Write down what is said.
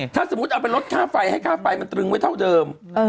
ถ้าสมมุติเอาไปลดค่าไฟให้ค่าไฟมันตรึงไว้เท่าเดิม